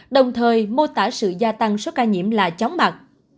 đồng thời mô tả sự gia tăng số ca nhiễm là chóng mặt